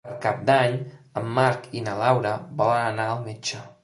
Per Cap d'Any en Marc i na Laura volen anar al metge.